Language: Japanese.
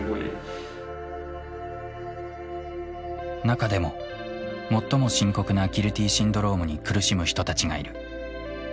中でも最も深刻なギルティシンドロームに苦しむ人たちがいる。